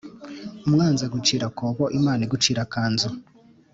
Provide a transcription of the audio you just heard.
umwazi agucira akobo Imana igucira akanzu